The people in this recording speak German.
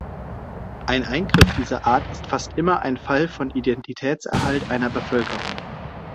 Ein Eingriff dieser Art ist fast immer ein Fall von Identitätserhalt einer Bevölkerung.